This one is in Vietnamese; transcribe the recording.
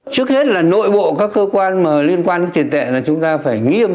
trước hết là nội bộ các cơ quan liên quan đến tiền tệ là chúng ta phải nghiêm